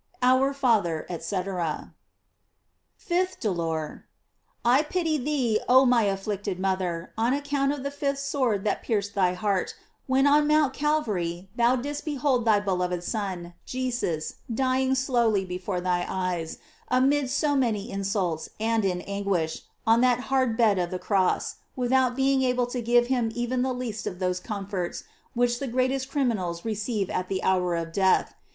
Our Father, &c. Fifth Dolor. — I pity thee, oh my afflicted mother, on account of the fifth sword that pierc ed thy heart, when on Mount Calvary thou didst behold thy beloved son, Jesus, dying slowly be fore thy eyes, amid so many insults, and in an guish, on that hard bed of the cross, without be ing able to give him even the least of those com forts which the greatest criminals receive at the hour of death.